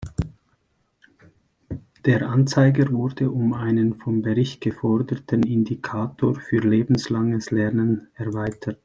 Der Anzeiger wurde um einen vom Bericht geforderten Indikator für lebenslanges Lernen erweitert.